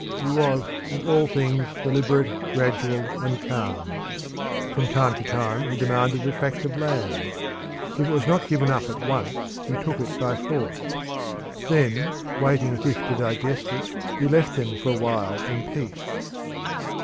He was in all things deliberate, gradual, and calm. From time to time he demanded a tract of land; if it was not given up at once he took it by force. Then, waiting as if to digest it, he left them for a while in peace.